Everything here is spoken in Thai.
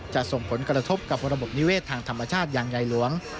ส่งผลกระทบกับระบบนิเวศทางธรรมชาติอย่างใหญ่หลวง